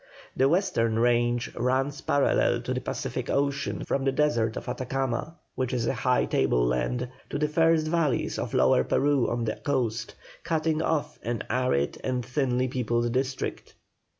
The western range runs parallel to the Pacific Ocean from the desert of Atacama which is a high tableland to the first valleys of Lower Peru on the coast, cutting off an arid and thinly peopled district.